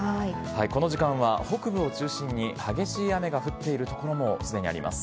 この時間は北部を中心に激しい雨が降っている所もすでにあります。